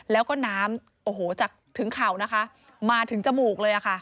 แล้วก็น้ำโอ้โหจากถึงเข่านะคะมาถึงจมูกเลยค่ะ